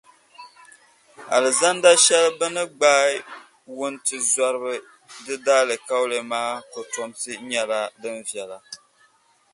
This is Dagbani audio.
Alizanda shεli bɛ ni gbaai wuntizɔriba di daalikauli maa kotomsi nyɛla, din viɛlla.